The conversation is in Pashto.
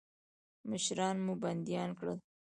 مشران مو بندیان کړل.